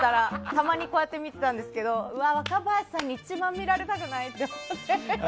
たまに見ていたんですけど若林さんに一番見られたくないって思って。